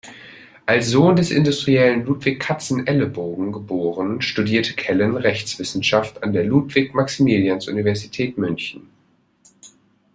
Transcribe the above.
Als Sohn des Industriellen Ludwig Katzenellenbogen geboren, studierte Kellen Rechtswissenschaft an der Ludwig-Maximilians-Universität München.